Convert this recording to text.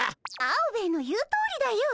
アオベエの言うとおりだよ。